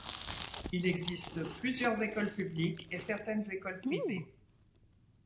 Il existe plusieurs écoles publiques et certaines écoles privées.